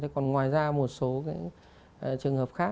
còn ngoài ra một số cái trường hợp khác